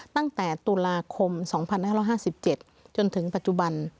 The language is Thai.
ตั้งแต่ตุลาคม๒๕๕๗จนถึงปัจจุบัน